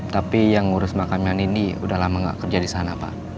tapi yang ngurus makanan ini udah lama gak kerja di sana pak